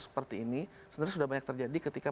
seperti ini sebenarnya sudah banyak terjadi ketika